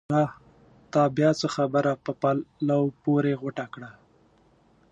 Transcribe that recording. سارا! تا بیا څه خبره په پلو پورې غوټه کړه؟!